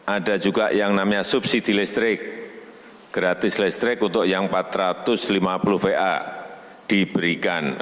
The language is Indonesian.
ada juga yang namanya subsidi listrik gratis listrik untuk yang empat ratus lima puluh va diberikan